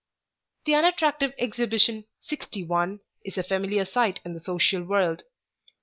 61] The unattractive exhibition 61, is a familiar sight in the social world.